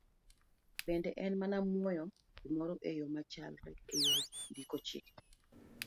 Bende en mana nwoyo gimoro e yo machalre e yor ndiko chike.